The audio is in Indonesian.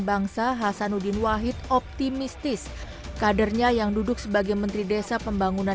bangsa hasanuddin wahid optimistis kadernya yang duduk sebagai menteri desa pembangunan